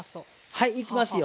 はいいきますよ